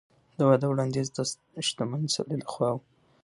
د واده وړاندیز د شتمن سړي له خوا و.